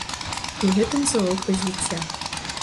І ў гэтым залог развіцця.